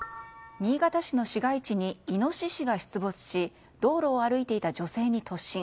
新潟市の市街地にイノシシが出没し道路を歩いていた女性に突進。